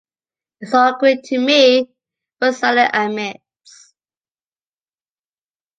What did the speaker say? It’s all Greek to me”, Rosalie admits.